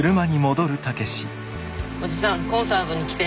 おじさんコンサートに来て。